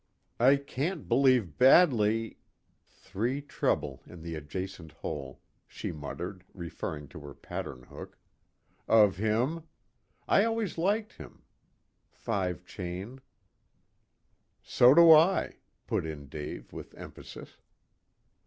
"I can't believe badly three treble in the adjacent hole" she muttered, referring to her pattern book, "of him. I always liked him five chain." "So do I," put in Dave with emphasis.